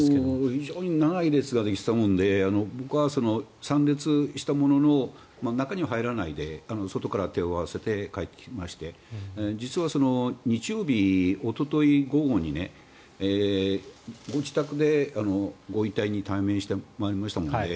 非常に長い列ができていたもので僕は参列したものの中には入らないで外から手を合わせて帰ってきまして実は日曜日、おととい午後にご自宅でご遺体に対面してまいりましたので。